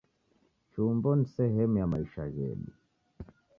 Chumbo ni sehemu ya maisha ghedu